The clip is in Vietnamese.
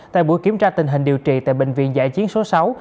tại buổi kiểm tra tình hình điều trị tại bệnh viện giải chiến số sáu